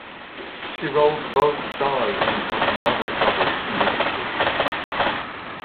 She rolled both die and got another double immediately.